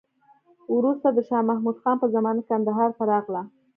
وروسته د شا محمود خان په زمانه کې کندهار ته راغله.